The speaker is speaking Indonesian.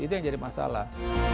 itu yang jadi masalah